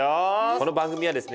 この番組はですね